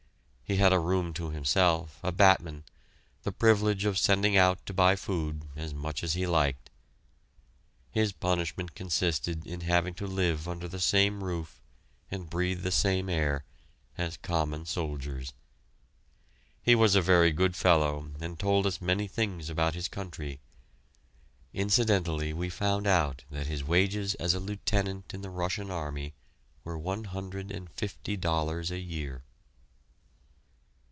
He had a room to himself, a batman, the privilege of sending out to buy food, as much as he liked. His punishment consisted in having to live under the same roof and breathe the same air as common soldiers. He was a very good fellow, and told us many things about his country. Incidentally we found out that his wages as a Lieutenant in the Russian Army were one hundred and fifty dollars a year!